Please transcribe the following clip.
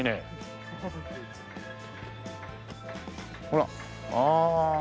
ほら。ああ。